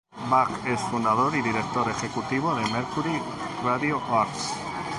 Beck es el fundador y director ejecutivo de Mercury Radio Arts.